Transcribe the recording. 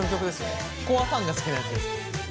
コアファンが好きなやつです。